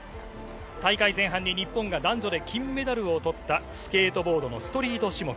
大会前半に日本が男女で金メダルを取ったスケートボードのストリート種目。